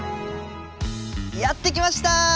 やって来ました！